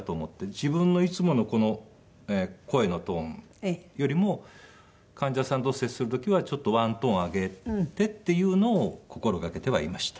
自分のいつものこの声のトーンよりも患者さんと接する時はちょっと１トーン上げてっていうのを心がけてはいました。